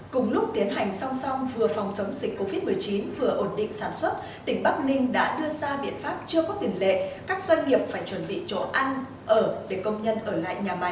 cùng lúc tiến hành song song vừa phòng chống dịch covid một mươi chín vừa ổn định sản xuất tỉnh bắc ninh đã đưa ra biện pháp chưa có tiền lệ các doanh nghiệp phải chuẩn bị chỗ ăn ở để công nhân ở lại nhà máy làm việc nhằm phòng chống dịch covid một mươi chín